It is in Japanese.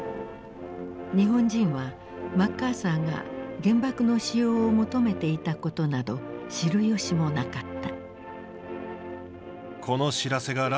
日本人はマッカーサーが原爆の使用を求めていたことなど知る由もなかった。